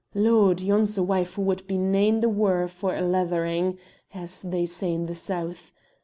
Lord! yon's a wife who would be nane the waur o' a leatherin', as they say in the south.